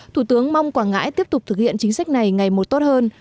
thủ tướng mong quảng ngãi tiếp tục thực hiện chính sách này ngày một tốt hơn